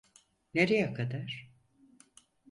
Nereye kadar?